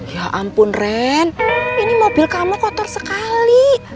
ya ampun ren ini mobil kamu kotor sekali